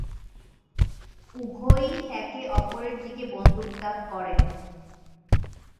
উভয়ই একে অপরের দিকে বন্দুক তাক করেন।